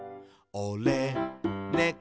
「おれ、ねこ」